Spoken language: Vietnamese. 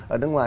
ở nước ngoài